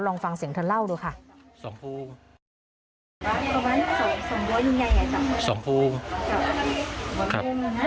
ลองฟังเสียงเธอเล่าดูค่ะ